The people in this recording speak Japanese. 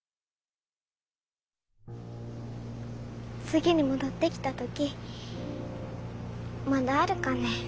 次に戻ってきた時まだあるかね